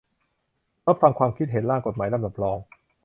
รับฟังความคิดเห็น ร่างกฎหมายลำดับรอง